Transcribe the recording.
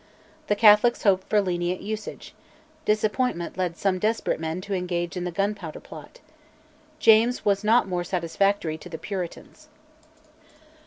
The Catholics hoped for lenient usage: disappointment led some desperate men to engage in the Gunpowder Plot. James was not more satisfactory to the Puritans.